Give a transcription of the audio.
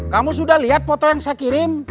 kamu sudah lihat foto yang saya kirim